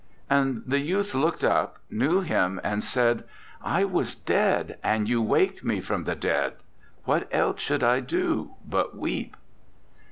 "And the youth looked up, knew him, and said: 'I was dead, and you waked me from the dead. What else should I do but weep?'"